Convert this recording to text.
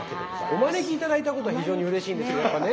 お招き頂いたことは非常にうれしいんですけどやっぱね